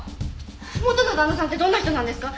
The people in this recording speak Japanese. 元の旦那さんってどんな人なんですか？